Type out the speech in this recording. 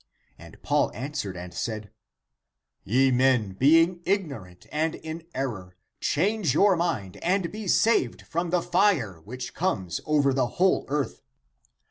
" And Paul an swered and said, " Ye men, being ignorant and in error, change your mind and be saved from the fire which comes over the whole earth.